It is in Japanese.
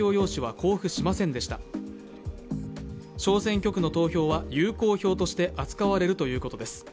小選挙区の投票は有効票として扱われるということです。